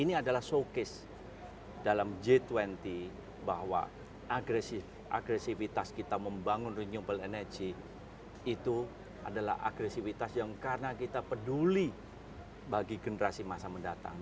ini adalah showcase dalam g dua puluh bahwa agresivitas kita membangun renewable energy itu adalah agresivitas yang karena kita peduli bagi generasi masa mendatang